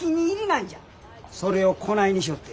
それをこないにしよって。